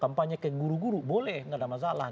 kampanye ke guru guru boleh nggak ada masalah